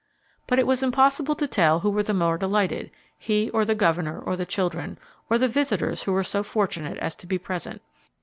But it was impossible to tell who were the more delighted,—he, or the Governor, or the children, or the visitors who were so fortunate as to be present.